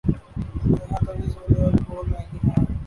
یہاں طبی سہولیات بہت مہنگی ہیں۔